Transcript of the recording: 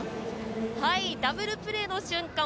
ダブルプレーの瞬間